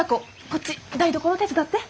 こっち台所手伝って。